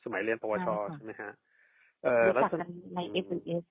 สมัยเรียนปะวะชอใช่มั้ยครับ